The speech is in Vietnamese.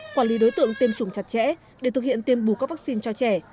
quản lý đối tượng tiêm chủng chặt chẽ để thực hiện tiêm bù các vaccine cho trẻ